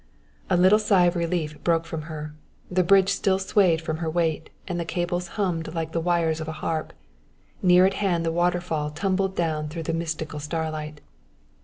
A little sigh of relief broke from her. The bridge still swayed from her weight; and the cables hummed like the wires of a harp; near at hand the waterfall tumbled down through the mystical starlight.